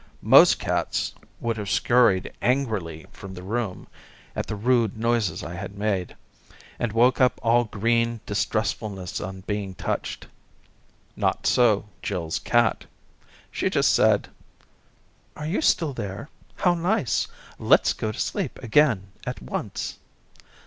Most cats would have scurried angrily from the room at the rude noises I had made, and woke up all green distrustfulness on being touched. Not so Jill's cat ; she just said :" Are you still there ? How nice ! Let's go to sleep again at once."